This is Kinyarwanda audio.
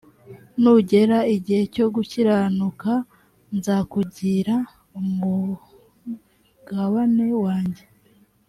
nugera igihe cyo gukiranuka nzakugira umugabane wanjye